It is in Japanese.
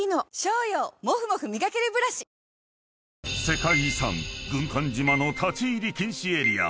［世界遺産軍艦島の立ち入り禁止エリア］